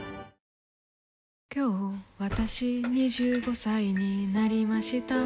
今日わたし、２５歳になりました。